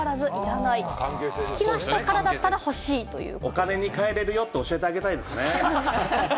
お金に変えれるよって教えてあげたいです。